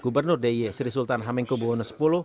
gubernur d y sri sultan hamengkubu ono x